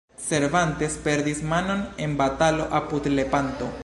Cervantes perdis manon en batalo apud Lepanto.